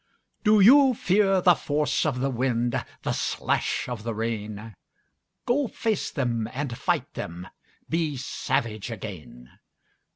DO you fear the force of the wind, The slash of the rain? Go face them and fight them, Be savage again.